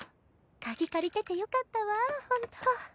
鍵借りててよかったわほんと。